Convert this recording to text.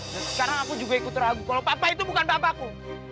dan sekarang aku juga ikut ragu kalau papa itu bukan papaku